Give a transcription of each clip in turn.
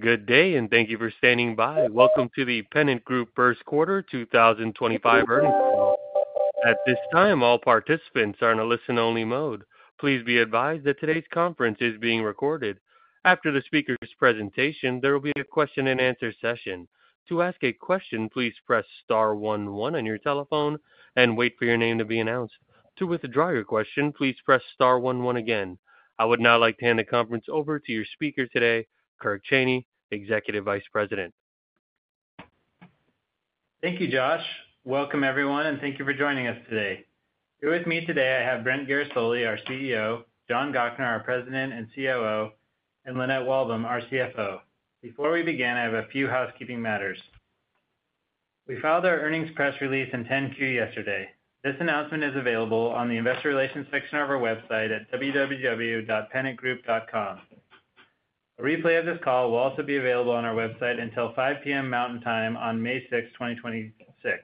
Good day, and thank you for standing by. Welcome to The Pennant Group First Quarter 2025 Earnings Call. At this time, all participants are in a listen-only mode. Please be advised that today's conference is being recorded. After the speaker's presentation, there will be a question-and-answer session. To ask a question, please press star one one on your telephone and wait for your name to be announced. To withdraw your question, please press star one one again. I would now like to hand the conference over to your speaker today, Kirk Cheney, Executive Vice President. Thank you, Josh. Welcome, everyone, and thank you for joining us today. Here with me today, I have Brent Guerisoli, our CEO; John Gochnour, our President and COO; and Lynette Walbom, our CFO. Before we begin, I have a few housekeeping matters. We filed our earnings press release and 10-Q yesterday. This announcement is available on the Investor Relations section of our website at www.PennantGroup.com. A replay of this call will also be available on our website until 5:00 P.M. Mountain Time on May 6, 2026.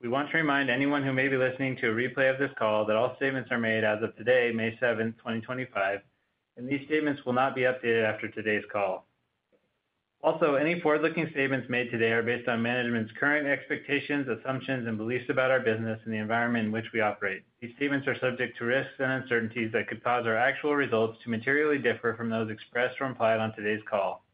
We want to remind anyone who may be listening to a replay of this call that all statements are made as of today, May 7, 2025, and these statements will not be updated after today's call. Also, any forward-looking statements made today are based on management's current expectations, assumptions, and beliefs about our business and the environment in which we operate. These statements are subject to risks and uncertainties that could cause our actual results to materially differ from those expressed or implied on today's call.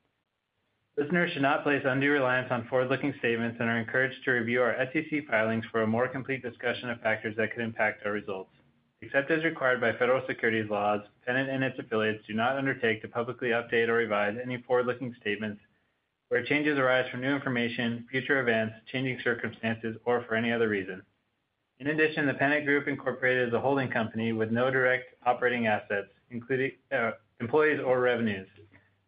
Listeners should not place undue reliance on forward-looking statements and are encouraged to review our SEC filings for a more complete discussion of factors that could impact our results. Except as required by federal securities laws, Pennant and its affiliates do not undertake to publicly update or revise any forward-looking statements where changes arise from new information, future events, changing circumstances, or for any other reason. In addition, The Pennant Group is a holding company with no direct operating assets, including employees or revenues.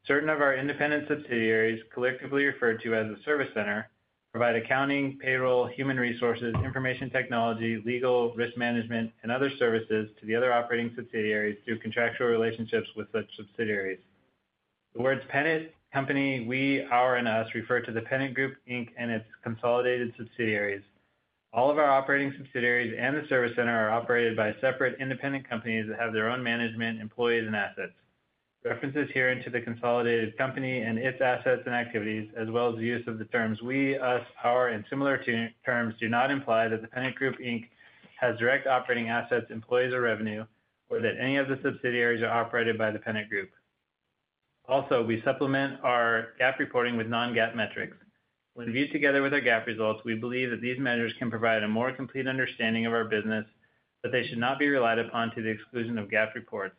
Certain of our independent subsidiaries, collectively referred to as a service center, provide accounting, payroll, human resources, information technology, legal, risk management, and other services to the other operating subsidiaries through contractual relationships with such subsidiaries. The words Pennant, company, we, our, and us refer to The Pennant Group and its consolidated subsidiaries. All of our operating subsidiaries and the service center are operated by separate independent companies that have their own management, employees, and assets. References here into the consolidated company and its assets and activities, as well as the use of the terms we, us, our, and similar terms, do not imply that The Pennant Group has direct operating assets, employees, or revenue, or that any of the subsidiaries are operated by the Pennant Group. Also, we supplement our GAAP reporting with non-GAAP metrics. When viewed together with our GAAP results, we believe that these measures can provide a more complete understanding of our business, but they should not be relied upon to the exclusion of GAAP reports.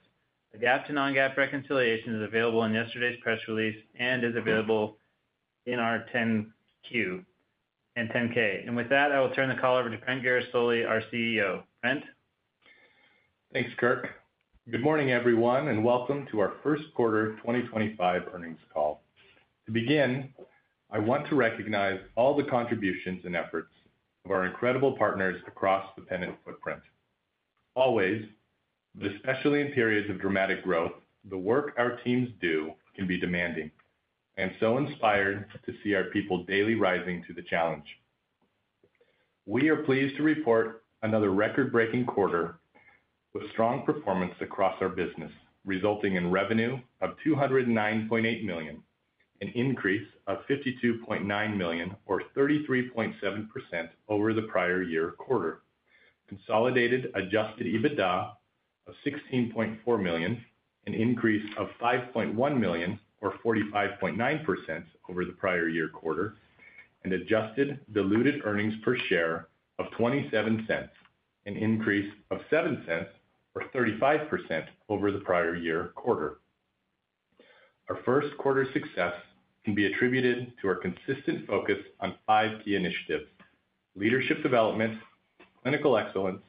The GAAP to non-GAAP reconciliation is available in yesterday's press release and is available in our 10-Q and 10-K. With that, I will turn the call over to Brent Guerisoli, our CEO. Brent. Thanks, Kirk. Good morning, everyone, and welcome to our First Quarter 2025 earnings call. To begin, I want to recognize all the contributions and efforts of our incredible partners across the Pennant footprint. Always, but especially in periods of dramatic growth, the work our teams do can be demanding, and so inspired to see our people daily rising to the challenge. We are pleased to report another record-breaking quarter with strong performance across our business, resulting in revenue of $209.8 million, an increase of $52.9 million, or 33.7% over the prior year quarter, consolidated adjusted EBITDA of $16.4 million, an increase of $5.1 million, or 45.9% over the prior year quarter, and adjusted diluted earnings per share of $0.27, an increase of $0.07, or 35% over the prior year quarter. Our first quarter success can be attributed to our consistent focus on five key initiatives: leadership development, clinical excellence,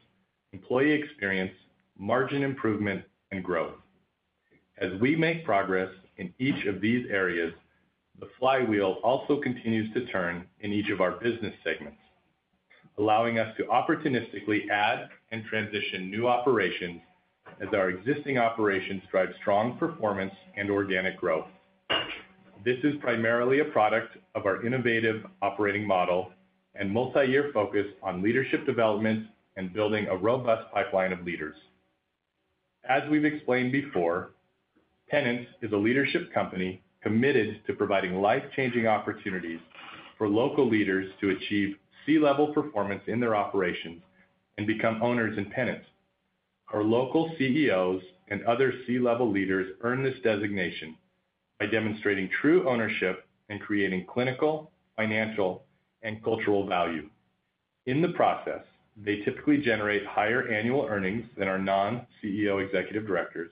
employee experience, margin improvement, and growth. As we make progress in each of these areas, the flywheel also continues to turn in each of our business segments, allowing us to opportunistically add and transition new operations as our existing operations drive strong performance and organic growth. This is primarily a product of our innovative operating model and multi-year focus on leadership development and building a robust pipeline of leaders. As we've explained before, Pennant is a leadership company committed to providing life-changing opportunities for local leaders to achieve C-level performance in their operations and become owners in Pennant. Our local CEOs and other C-level leaders earn this designation by demonstrating true ownership and creating clinical, financial, and cultural value. In the process, they typically generate higher annual earnings than our non-CEO executive directors,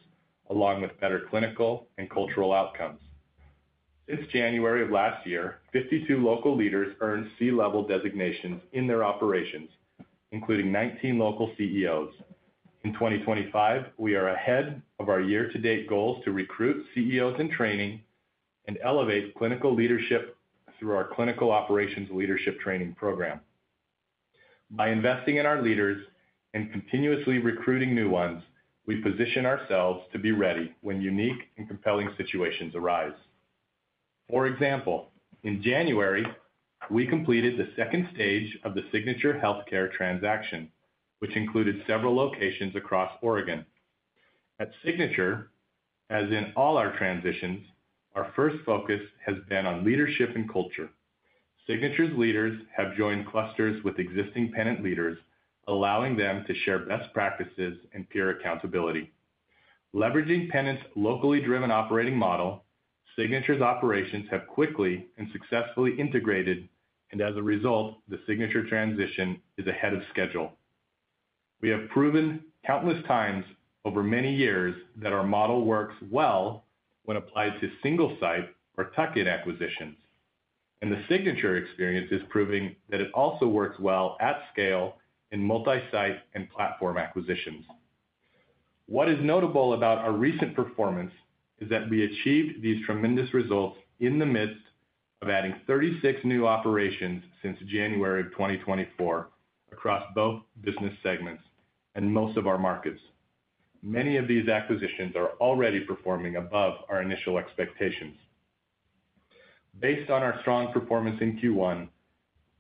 along with better clinical and cultural outcomes. Since January of last year, 52 local leaders earned C-level designations in their operations, including 19 local CEOs. In 2025, we are ahead of our year-to-date goals to recruit CEOs in training and elevate clinical leadership through our Clinical Operations Leadership Training Program. By investing in our leaders and continuously recruiting new ones, we position ourselves to be ready when unique and compelling situations arise. For example, in January, we completed the second stage of the Signature Healthcare transaction, which included several locations across Oregon. At Signature, as in all our transitions, our first focus has been on leadership and culture. Signature's leaders have joined clusters with existing Pennant leaders, allowing them to share best practices and peer accountability. Leveraging Pennant's locally driven operating model, Signature's operations have quickly and successfully integrated, and as a result, the Signature transition is ahead of schedule. We have proven countless times over many years that our model works well when applied to single-site or tuck-in acquisitions, and the Signature experience is proving that it also works well at scale in multi-site and platform acquisitions. What is notable about our recent performance is that we achieved these tremendous results in the midst of adding 36 new operations since January of 2024 across both business segments and most of our markets. Many of these acquisitions are already performing above our initial expectations. Based on our strong performance in Q1,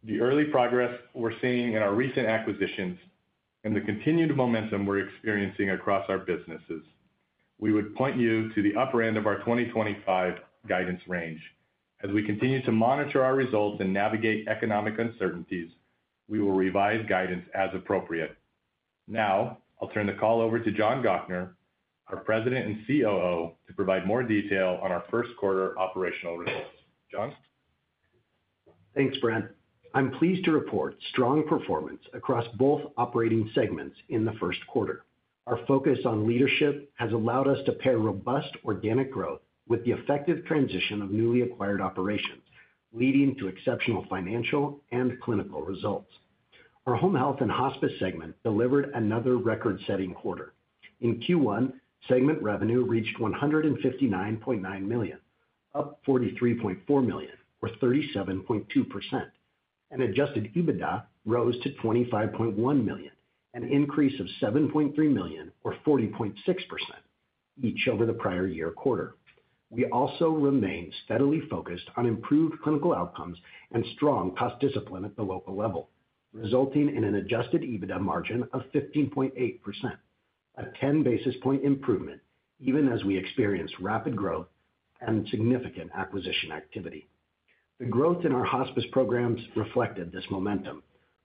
the early progress we're seeing in our recent acquisitions, and the continued momentum we're experiencing across our businesses, we would point you to the upper end of our 2025 guidance range. As we continue to monitor our results and navigate economic uncertainties, we will revise guidance as appropriate. Now, I'll turn the call over to John Gochnour, our President and COO, to provide more detail on our first quarter operational results. John? Thanks, Brent. I'm pleased to report strong performance across both operating segments in the first quarter. Our focus on leadership has allowed us to pair robust organic growth with the effective transition of newly acquired operations, leading to exceptional financial and clinical results. Our home health and hospice segment delivered another record-setting quarter. In Q1, segment revenue reached $159.9 million, up $43.4 million, or 37.2%, and adjusted EBITDA rose to $25.1 million, an increase of $7.3 million, or 40.6%, each over the prior year quarter. We also remain steadily focused on improved clinical outcomes and strong cost discipline at the local level, resulting in an adjusted EBITDA margin of 15.8%, a 10 basis point improvement, even as we experience rapid growth and significant acquisition activity. The growth in our hospice programs reflected this momentum.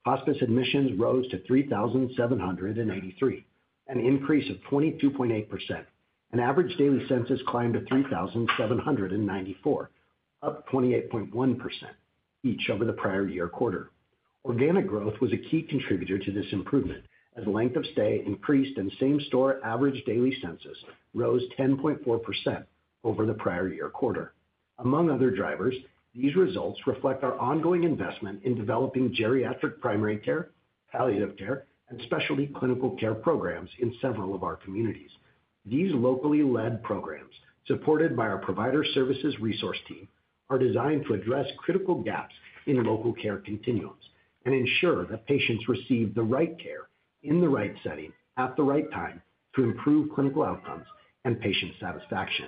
Hospice admissions rose to 3,783, an increase of 22.8%, and average daily census climbed to 3,794, up 28.1%, each over the prior year quarter. Organic growth was a key contributor to this improvement, as length of stay increased and same-store average daily census rose 10.4% over the prior year quarter. Among other drivers, these results reflect our ongoing investment in developing geriatric primary care, palliative care, and specialty clinical care programs in several of our communities. These locally led programs, supported by our provider services resource team, are designed to address critical gaps in local care continuums and ensure that patients receive the right care in the right setting at the right time to improve clinical outcomes and patient satisfaction.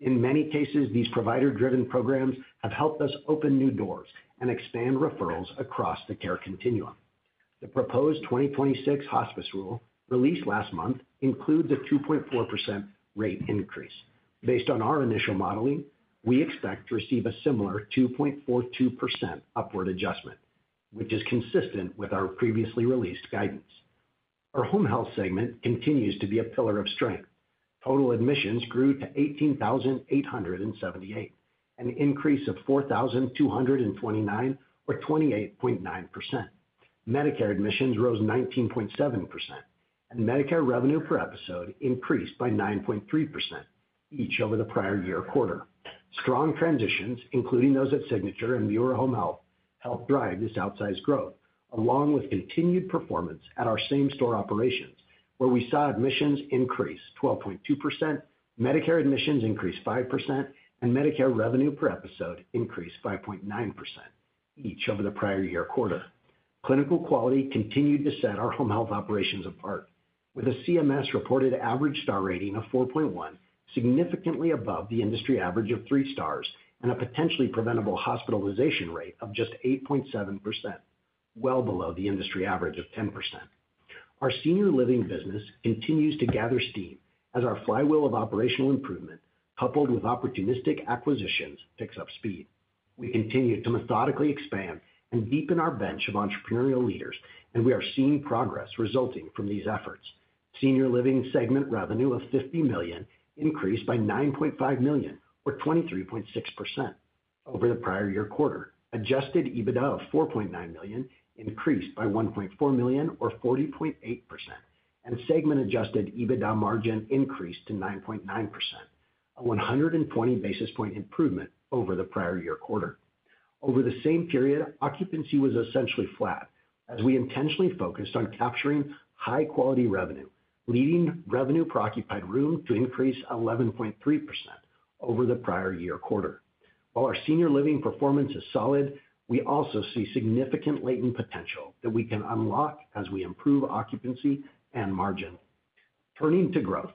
In many cases, these provider-driven programs have helped us open new doors and expand referrals across the care continuum. The proposed 2026 hospice rule, released last month, includes a 2.4% rate increase. Based on our initial modeling, we expect to receive a similar 2.42% upward adjustment, which is consistent with our previously released guidance. Our home health segment continues to be a pillar of strength. Total admissions grew to 18,878, an increase of 4,229, or 28.9%. Medicare admissions rose 19.7%, and Medicare revenue per episode increased by 9.3%, each over the prior year quarter. Strong transitions, including those at Signature and Verve Home Health, helped drive this outsized growth, along with continued performance at our same-store operations, where we saw admissions increase 12.2%, Medicare admissions increase 5%, and Medicare revenue per episode increase 5.9%, each over the prior year quarter. Clinical quality continued to set our home health operations apart, with a CMS reported average star rating of 4.1, significantly above the industry average of three stars and a potentially preventable hospitalization rate of just 8.7%, well below the industry average of 10%. Our senior living business continues to gather steam as our flywheel of operational improvement, coupled with opportunistic acquisitions, picks up speed. We continue to methodically expand and deepen our bench of entrepreneurial leaders, and we are seeing progress resulting from these efforts. Senior living segment revenue of $50 million increased by $9.5 million, or 23.6%, over the prior year quarter. Adjusted EBITDA of $4.9 million increased by $1.4 million, or 40.8%, and segment adjusted EBITDA margin increased to 9.9%, a 120 basis point improvement over the prior year quarter. Over the same period, occupancy was essentially flat as we intentionally focused on capturing high-quality revenue, leading revenue per occupied room to increase 11.3% over the prior year quarter. While our senior living performance is solid, we also see significant latent potential that we can unlock as we improve occupancy and margin. Turning to growth,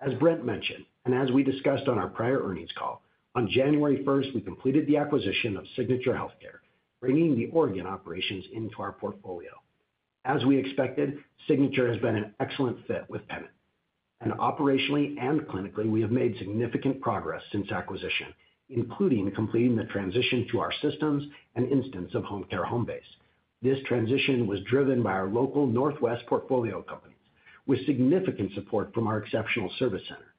as Brent mentioned and as we discussed on our prior earnings call, on January 1, we completed the acquisition of Signature Healthcare, bringing the Oregon operations into our portfolio. As we expected, Signature has been an excellent fit with Pennant, and operationally and clinically, we have made significant progress since acquisition, including completing the transition to our systems and instance of HomeCare HomeBase. This transition was driven by our local Northwest portfolio companies, with significant support from our exceptional service center.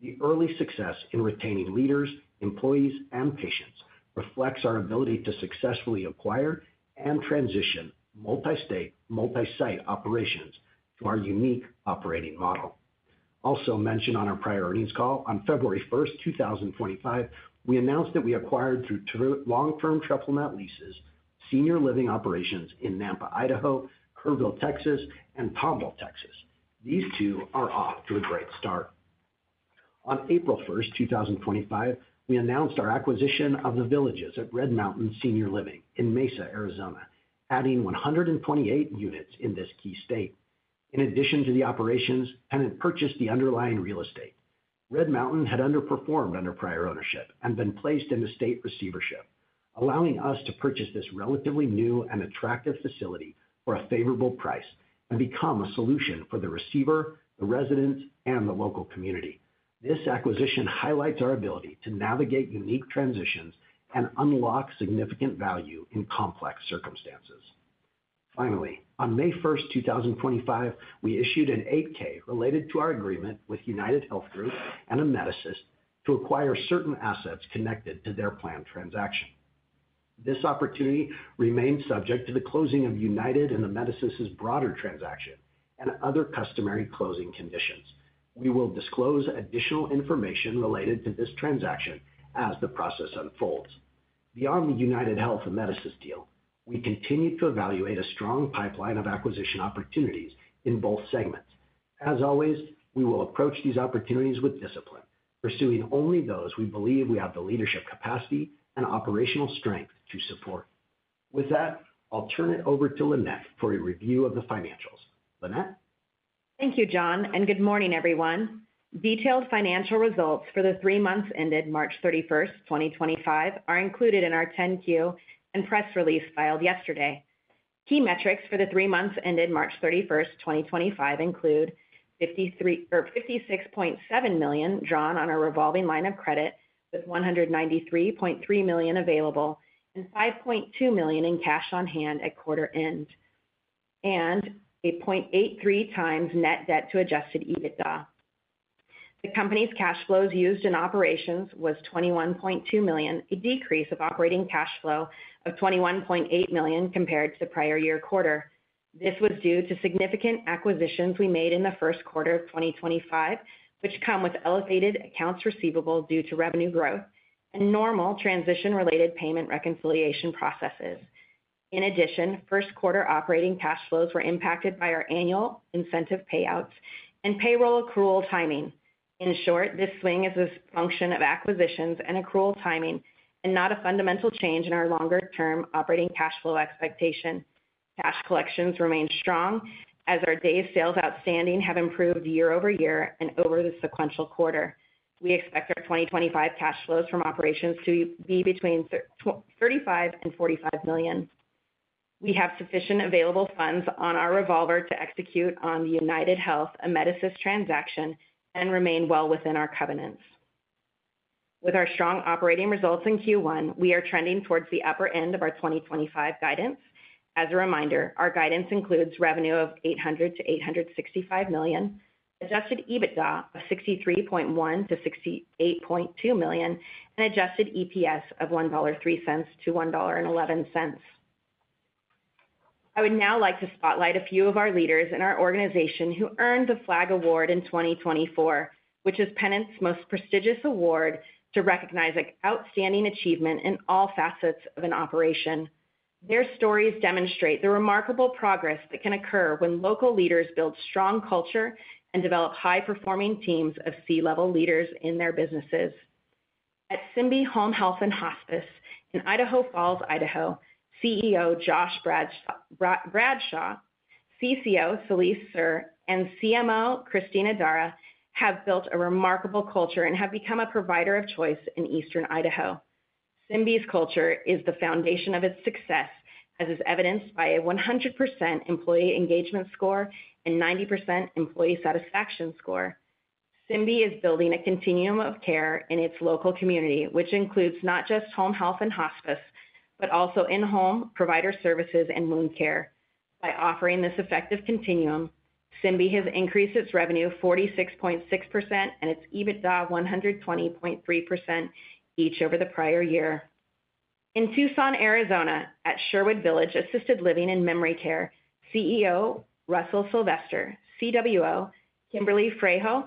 The early success in retaining leaders, employees, and patients reflects our ability to successfully acquire and transition multi-state, multi-site operations to our unique operating model. Also mentioned on our prior earnings call, on February 1, 2025, we announced that we acquired through long-term triple net leases senior living operations in Nampa, Idaho; Kerrville, Texas; and Tomball, Texas. These too are off to a great start. On April 1, 2025, we announced our acquisition of the Villages at Red Mountain Senior Living in Mesa, Arizona, adding 128 units in this key state. In addition to the operations, Pennant purchased the underlying real estate. Red Mountain had underperformed under prior ownership and been placed in the state receivership, allowing us to purchase this relatively new and attractive facility for a favorable price and become a solution for the receiver, the residents, and the local community. This acquisition highlights our ability to navigate unique transitions and unlock significant value in complex circumstances. Finally, on May 1, 2025, we issued an 8-K related to our agreement with UnitedHealth Group and Amedisys to acquire certain assets connected to their planned transaction. This opportunity remains subject to the closing of UnitedHealth and Amedisys' broader transaction and other customary closing conditions. We will disclose additional information related to this transaction as the process unfolds. Beyond the UnitedHealth Amedisys deal, we continue to evaluate a strong pipeline of acquisition opportunities in both segments. As always, we will approach these opportunities with discipline, pursuing only those we believe we have the leadership capacity and operational strength to support. With that, I'll turn it over to Lynette for a review of the financials. Lynette? Thank you, John, and good morning, everyone. Detailed financial results for the three months ended March 31, 2025, are included in our 10-Q and press release filed yesterday. Key metrics for the three months ended March 31, 2025 include $56.7 million drawn on our revolving line of credit, with $193.3 million available and $5.2 million in cash on hand at quarter end, and a 0.83 times net debt to adjusted EBITDA. The company's cash flows used in operations was $21.2 million, a decrease of operating cash flow of $21.8 million compared to the prior year quarter. This was due to significant acquisitions we made in the first quarter of 2025, which come with elevated accounts receivable due to revenue growth and normal transition-related payment reconciliation processes. In addition, first quarter operating cash flows were impacted by our annual incentive payouts and payroll accrual timing. In short, this swing is a function of acquisitions and accrual timing and not a fundamental change in our longer-term operating cash flow expectation. Cash collections remain strong as our day sales outstanding have improved year- over-year and over the sequential quarter. We expect our 2025 cash flows from operations to be between $35 million and $45 million. We have sufficient available funds on our revolver to execute on the UnitedHealth Amedisys transaction and remain well within our covenants. With our strong operating results in Q1, we are trending towards the upper end of our 2025 guidance. As a reminder, our guidance includes revenue of $800 million-$865 million, adjusted EBITDA of $63.1 million-$68.2 million, and adjusted EPS of $1.03-$1.11. I would now like to spotlight a few of our leaders in our organization who earned the FLAG Award in 2024, which is Pennant's most prestigious award to recognize an outstanding achievement in all facets of an operation. Their stories demonstrate the remarkable progress that can occur when local leaders build strong culture and develop high-performing teams of C-level leaders in their businesses. At Symbii Home Health and Hospice in Idaho Falls, Idaho, CEO Josh Bradshaw, CCO Selize Serr, and CMO Christina Darrah have built a remarkable culture and have become a provider of choice in Eastern Idaho. Symbii's culture is the foundation of its success, as is evidenced by a 100% employee engagement score and 90% employee satisfaction score. Symbii is building a continuum of care in its local community, which includes not just home health and hospice, but also in-home provider services and wound care. By offering this effective continuum, Symbii has increased its revenue 46.6% and its EBITDA 120.3%, each over the prior year. In Tucson, Arizona, at Sherwood Village Assisted Living and Memory Care, CEO Russell Sylvester, CWO Kimberly Fraijo,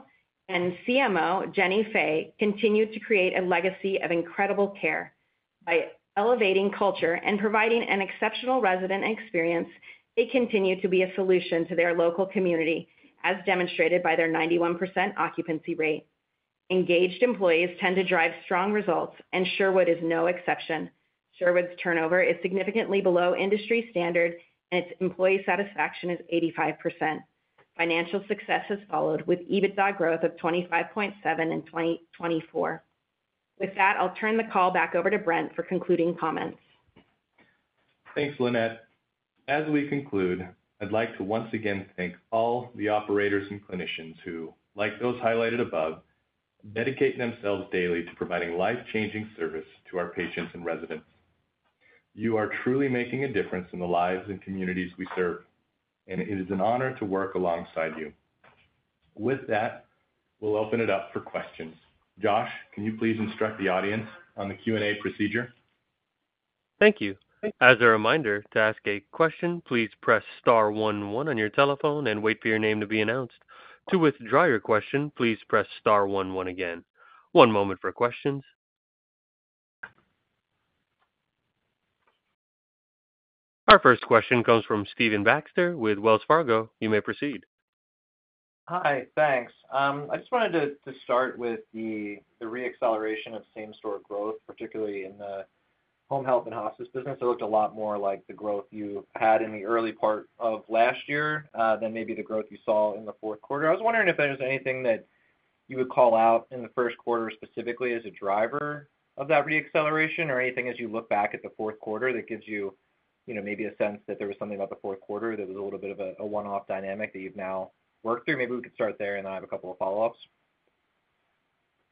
and CMO Jennie Fay continued to create a legacy of incredible care. By elevating culture and providing an exceptional resident experience, they continue to be a solution to their local community, as demonstrated by their 91% occupancy rate. Engaged employees tend to drive strong results, and Sherwood is no exception. Sherwood's turnover is significantly below industry standard, and its employee satisfaction is 85%. Financial success has followed with EBITDA growth of 25.7% in 2024. With that, I'll turn the call back over to Brent for concluding comments. Thanks, Lynette. As we conclude, I'd like to once again thank all the operators and clinicians who, like those highlighted above, dedicate themselves daily to providing life-changing service to our patients and residents. You are truly making a difference in the lives and communities we serve, and it is an honor to work alongside you. With that, we'll open it up for questions. Josh, can you please instruct the audience on the Q&A procedure? Thank you. As a reminder, to ask a question, please press star one one on your telephone and wait for your name to be announced. To withdraw your question, please press star one one again. One moment for questions. Our first question comes from Stephen Baxter with Wells Fargo. You may proceed. Hi, thanks. I just wanted to start with the re-acceleration of same-store growth, particularly in the home health and hospice business. It looked a lot more like the growth you had in the early part of last year than maybe the growth you saw in the fourth quarter. I was wondering if there was anything that you would call out in the first quarter specifically as a driver of that re-acceleration or anything as you look back at the fourth quarter that gives you maybe a sense that there was something about the fourth quarter that was a little bit of a one-off dynamic that you've now worked through. Maybe we could start there, and then I have a couple of follow-ups.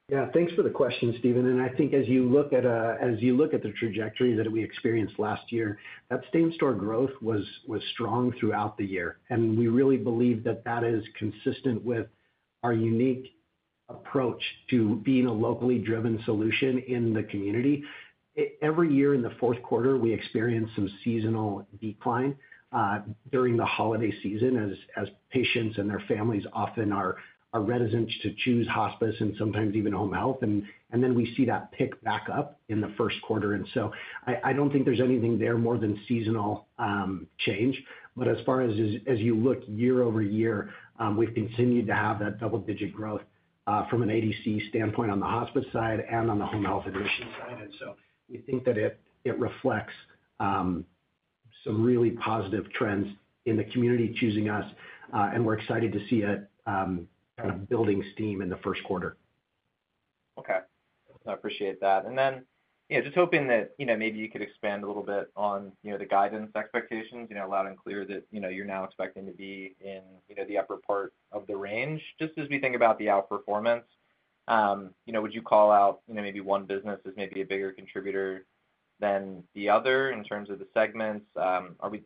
Yeah, thanks for the question, Stephen. I think as you look at the trajectory that we experienced last year, that same-store growth was strong throughout the year. We really believe that that is consistent with our unique approach to being a locally driven solution in the community. Every year in the fourth quarter, we experience some seasonal decline during the holiday season, as patients and their families often are reticent to choose hospice and sometimes even home health. We see that pick back up in the first quarter. I do not think there is anything there more than seasonal change. As far as you look year-over-year, we have continued to have that double-digit growth from an ADC standpoint on the hospice side and on the home health admissions side. We think that it reflects some really positive trends in the community choosing us, and we're excited to see it kind of building steam in the first quarter. Okay. I appreciate that. Then just hoping that maybe you could expand a little bit on the guidance expectations, loud and clear that you're now expecting to be in the upper part of the range. Just as we think about the outperformance, would you call out maybe one business as maybe a bigger contributor than the other in terms of the segments? Are we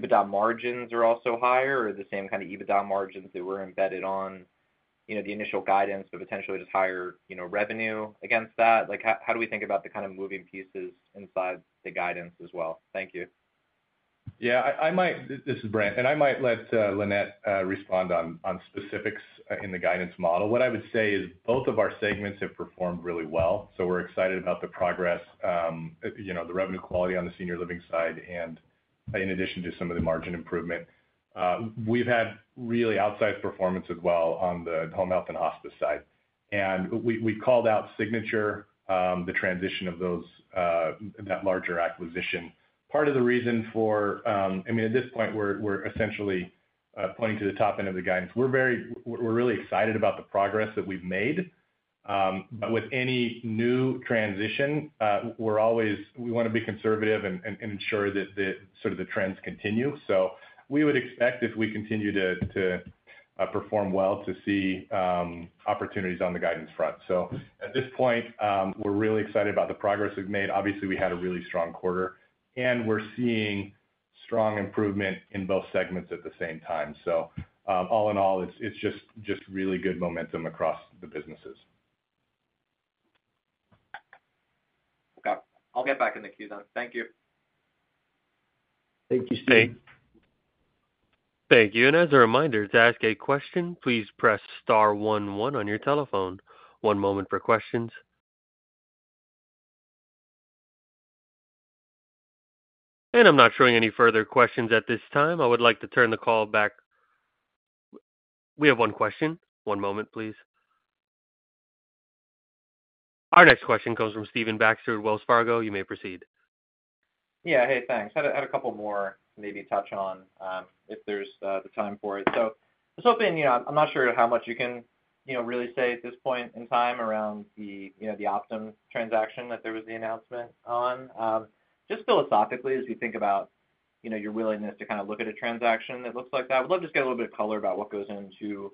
thinking EBITDA margins are also higher or the same kind of EBITDA margins that were embedded on the initial guidance, but potentially just higher revenue against that? How do we think about the kind of moving pieces inside the guidance as well? Thank you. Yeah, this is Brent. I might let Lynette respond on specifics in the guidance model. What I would say is both of our segments have performed really well. We're excited about the progress, the revenue quality on the senior living side, and in addition to some of the margin improvement. We've had really outsized performance as well on the home health and hospice side. We called out Signature, the transition of that larger acquisition. Part of the reason for, I mean, at this point, we're essentially pointing to the top end of the guidance. We're really excited about the progress that we've made. With any new transition, we want to be conservative and ensure that sort of the trends continue. We would expect if we continue to perform well to see opportunities on the guidance front. At this point, we're really excited about the progress we've made. Obviously, we had a really strong quarter, and we're seeing strong improvement in both segments at the same time. All in all, it's just really good momentum across the businesses. I'll get back in the queue then. Thank you. Thank you, Steve. Thank you. As a reminder, to ask a question, please press star one one on your telephone. One moment for questions. I am not showing any further questions at this time. I would like to turn the call back. We have one question. One moment, please. Our next question comes from Stephen Baxter, Wells Fargo. You may proceed. Yeah, hey, thanks. I had a couple more maybe touch on if there's the time for it. I'm not sure how much you can really say at this point in time around the Optum transaction that there was the announcement on. Just philosophically, as we think about your willingness to kind of look at a transaction that looks like that, we'd love to just get a little bit of color about what goes into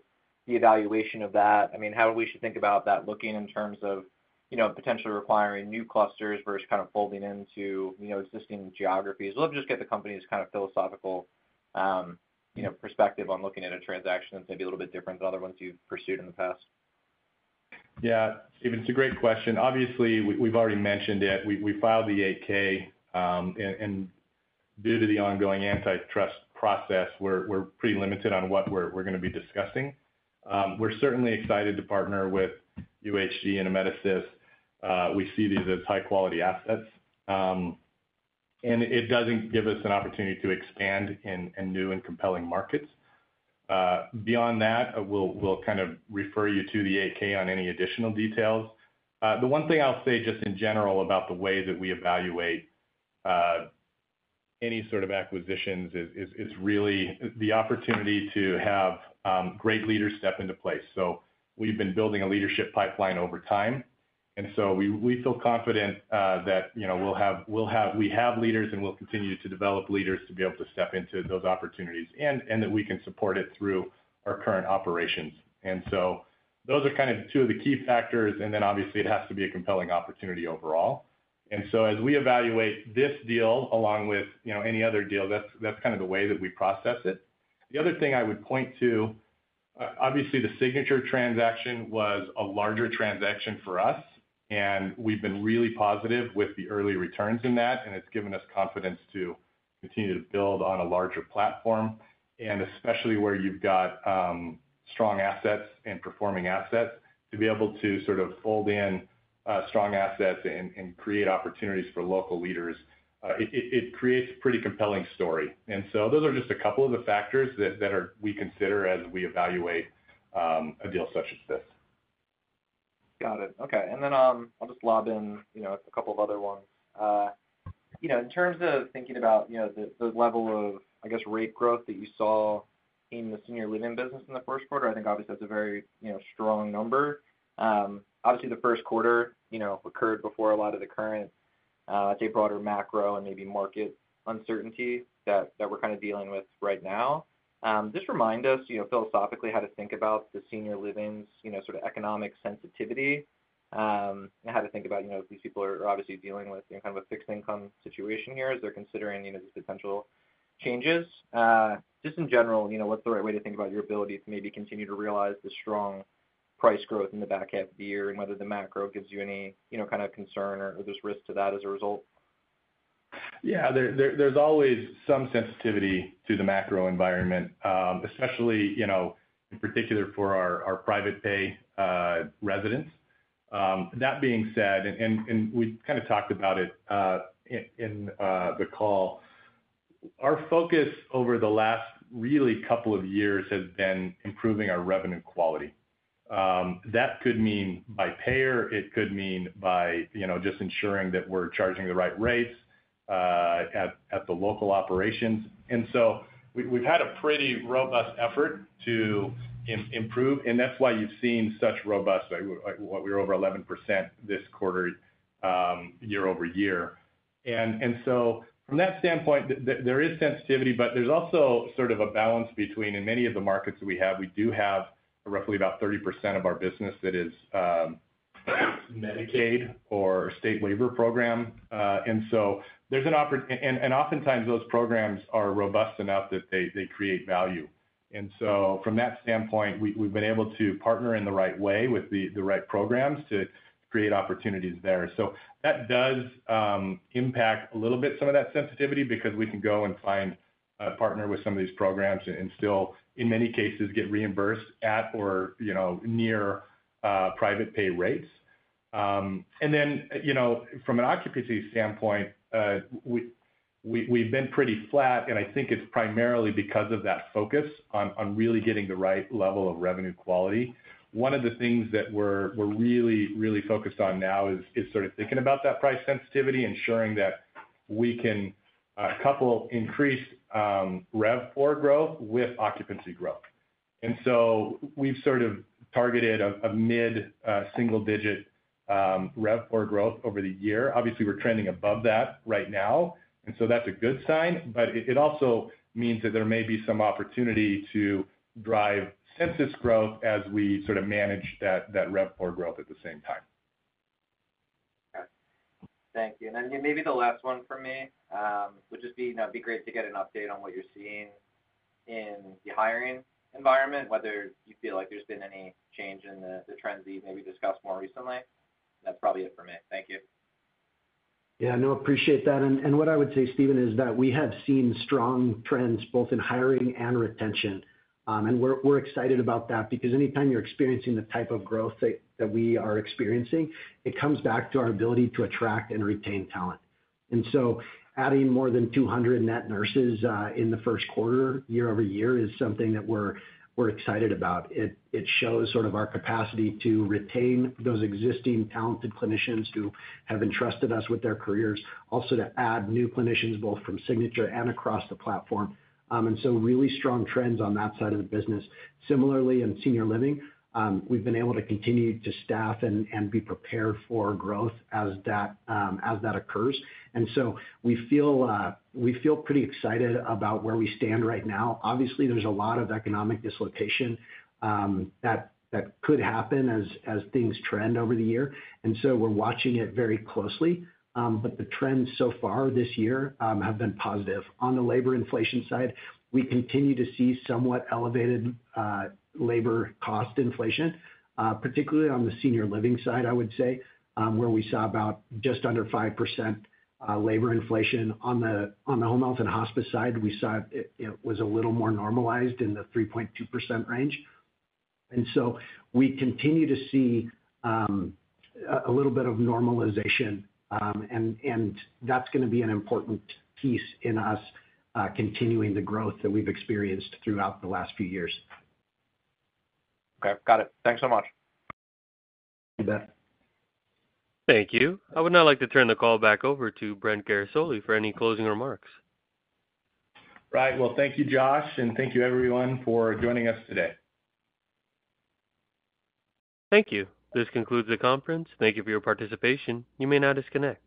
the evaluation of that. I mean, how we should think about that looking in terms of potentially requiring new clusters versus kind of folding into existing geographies. We'd love to just get the company's kind of philosophical perspective on looking at a transaction that's maybe a little bit different than other ones you've pursued in the past. Yeah, Stephen, it's a great question. Obviously, we've already mentioned it. We filed the 8-K, and due to the ongoing antitrust process, we're pretty limited on what we're going to be discussing. We're certainly excited to partner with UnitedHealth and Amedisys. We see these as high-quality assets. It doesn't give us an opportunity to expand in new and compelling markets. Beyond that, we'll kind of refer you to the 8-K on any additional details. The one thing I'll say just in general about the way that we evaluate any sort of acquisitions is really the opportunity to have great leaders step into place. We've been building a leadership pipeline over time. We feel confident that we have leaders and we'll continue to develop leaders to be able to step into those opportunities and that we can support it through our current operations. Those are kind of two of the key factors. Obviously, it has to be a compelling opportunity overall. As we evaluate this deal along with any other deal, that's kind of the way that we process it. The other thing I would point to, obviously, the Signature transaction was a larger transaction for us. We have been really positive with the early returns in that, and it has given us confidence to continue to build on a larger platform. Especially where you have strong assets and performing assets, to be able to sort of fold in strong assets and create opportunities for local leaders, it creates a pretty compelling story. Those are just a couple of the factors that we consider as we evaluate a deal such as this. Got it. Okay. I'll just lob in a couple of other ones. In terms of thinking about the level of, I guess, rate growth that you saw in the senior living business in the first quarter, I think obviously that's a very strong number. Obviously, the first quarter occurred before a lot of the current, I'd say, broader macro and maybe market uncertainty that we're kind of dealing with right now. Just remind us philosophically how to think about the senior living's sort of economic sensitivity and how to think about these people are obviously dealing with kind of a fixed income situation here as they're considering these potential changes. Just in general, what's the right way to think about your ability to maybe continue to realize the strong price growth in the back half of the year and whether the macro gives you any kind of concern or there's risk to that as a result? Yeah, there's always some sensitivity to the macro environment, especially in particular for our private pay residents. That being said, and we kind of talked about it in the call, our focus over the last really couple of years has been improving our revenue quality. That could mean by payer. It could mean by just ensuring that we're charging the right rates at the local operations. We've had a pretty robust effort to improve. That's why you've seen such robust, what we were over 11% this quarter year-over-year. From that standpoint, there is sensitivity, but there's also sort of a balance between in many of the markets that we have, we do have roughly about 30% of our business that is Medicaid or state labor program. There's an opportunity. Oftentimes, those programs are robust enough that they create value. From that standpoint, we've been able to partner in the right way with the right programs to create opportunities there. That does impact a little bit some of that sensitivity because we can go and find a partner with some of these programs and still, in many cases, get reimbursed at or near private pay rates. From an occupancy standpoint, we've been pretty flat. I think it's primarily because of that focus on really getting the right level of revenue quality. One of the things that we're really, really focused on now is sort of thinking about that price sensitivity, ensuring that we can couple increased RevPAR growth with occupancy growth. We've sort of targeted a mid-single-digit RevPAR growth over the year. Obviously, we're trending above that right now. That's a good sign. It also means that there may be some opportunity to drive census growth as we sort of manage that RevPAR at the same time. Okay. Thank you. Maybe the last one for me would just be it'd be great to get an update on what you're seeing in the hiring environment, whether you feel like there's been any change in the trends that you've maybe discussed more recently. That's probably it for me. Thank you. Yeah, no, appreciate that. What I would say, Stephen, is that we have seen strong trends both in hiring and retention. We're excited about that because anytime you're experiencing the type of growth that we are experiencing, it comes back to our ability to attract and retain talent. Adding more than 200 net nurses in the first quarter year-over-year is something that we're excited about. It shows our capacity to retain those existing talented clinicians who have entrusted us with their careers, also to add new clinicians both from Signature and across the platform. Really strong trends on that side of the business. Similarly, in senior living, we've been able to continue to staff and be prepared for growth as that occurs. We feel pretty excited about where we stand right now. Obviously, there's a lot of economic dislocation that could happen as things trend over the year. We're watching it very closely. The trends so far this year have been positive. On the labor inflation side, we continue to see somewhat elevated labor cost inflation, particularly on the senior living side, I would say, where we saw about just under 5% labor inflation. On the home health and hospice side, we saw it was a little more normalized in the 3.2% range. We continue to see a little bit of normalization. That's going to be an important piece in us continuing the growth that we've experienced throughout the last few years. Okay. Got it. Thanks so much. Thank you. Thank you. I would now like to turn the call back over to Brent Guerisoli for any closing remarks. Right. Thank you, Josh. Thank you, everyone, for joining us today. Thank you. This concludes the conference. Thank you for your participation. You may now disconnect.